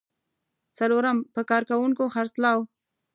څلورم: په کارکوونکو خرڅلاو.